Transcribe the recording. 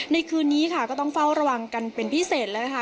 คืนนี้ค่ะก็ต้องเฝ้าระวังกันเป็นพิเศษแล้วนะคะ